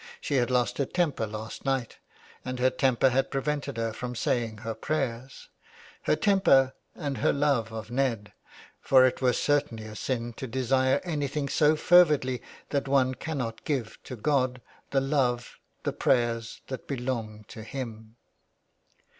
She had lost her temper last night, and her temper had prevented her from saying her prayers, her temper and her 362 THE WILD GOOSE. love of Ned ; for it were certainly a sin to desire any thing so fervidly that one cannot give to God the love, the prayers that belong to Him.